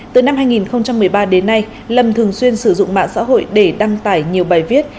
từ năm hai nghìn một mươi ba đến nay lâm thường xuyên sử dụng mạng xã hội để đăng tải nhiều bài viết